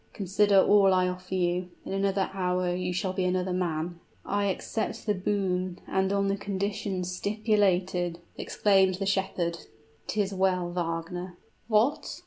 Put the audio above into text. Consider all I offer you: in another hour you shall be another man!" "I accept the boon and on the conditions stipulated!" exclaimed the shepherd. "'Tis well, Wagner " "What!